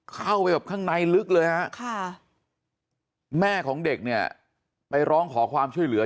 เข้าไปแบบข้างในลึกเลยฮะแม่ของเด็กเนี่ยไปร้องขอความช่วยเหลือ